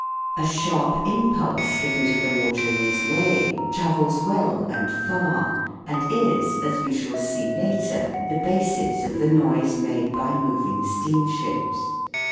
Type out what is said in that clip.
A sharp impulse given to the water in this way travels well and far and is, as we shall see later, the basis of the noise made by moving steamships.